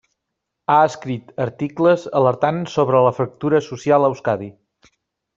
Ha escrit articles alertant sobre la fractura social a Euskadi.